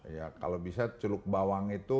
ya kalau bisa celuk bawang itu